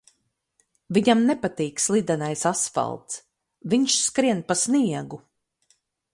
Viņam nepatīk slidenais asfalts, viņš skrien pa sniegu.